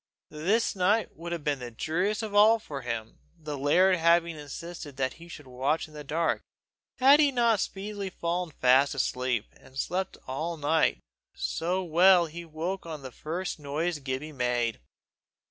This night would have been the dreariest of all for him, the laird having insisted that he should watch in the dark, had he not speedily fallen fast asleep, and slept all night so well that he woke at the first noise Gibbie made.